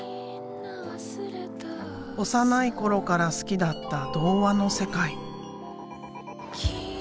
幼い頃から好きだった童話の世界。